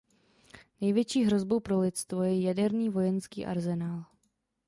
Největší hrozbou pro lidstvo je jaderný vojenský arzenál.